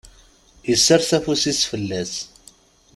Isers afus-is fell-as.